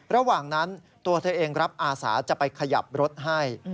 ระหว่างนั้นตัวเธอเองรับอาสาจะไปขยับรถให้